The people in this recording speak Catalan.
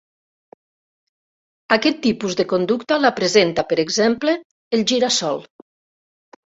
Aquest tipus de conducta la presenta, per exemple, el gira-sol.